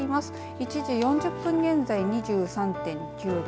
１時４０分現在２３．９度。